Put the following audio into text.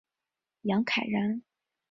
杨凯人。